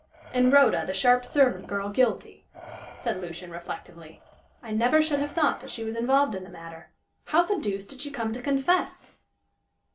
"And Rhoda, the sharp servant girl, guilty," said Lucian, reflectively. "I never should have thought that she was involved in the matter. How the deuce did she come to confess?"